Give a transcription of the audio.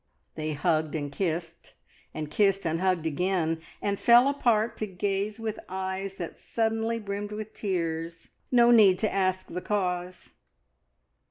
They hugged and kissed, and kissed and hugged again, and fell apart to gaze with eyes that suddenly brimmed with tears. No need to ask the cause!